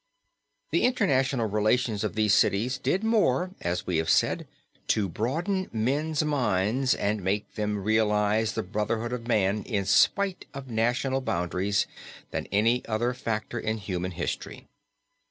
The international relations of these cities did more, as we have said, to broaden men's minds and make them realize the brotherhood of man in spite of national boundaries than any other factor in human history.